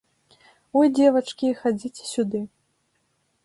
Ой, дзевачкі, хадзіце сюды!